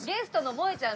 もえちゃん